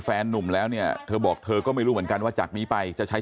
นุ่มแล้วเนี่ยเธอบอกเธอก็ไม่รู้เหมือนกันว่าจากนี้ไปจะใช้